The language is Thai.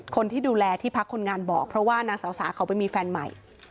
คนที่ดูแลที่พักคนงานบอกเพราะว่านางสาวสาเขาไปมีแฟนใหม่